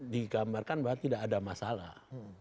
digambarkan bahwa tidak ada masalah